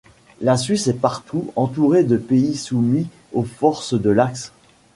La Suisse est partout entourée de pays soumis aux forces de l’Axe.